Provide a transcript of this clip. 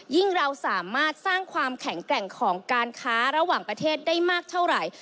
เราสามารถสร้างความแข็งแกร่งของการค้าระหว่างประเทศได้มากเท่าไหร่